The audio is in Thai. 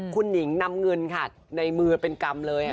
คุณหนิงนำเงินค่ะในมือเป็นกรรมเลย